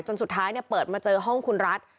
จนสุดท้ายเนี่ยเปิดมาเจอห้องคุณรัฐ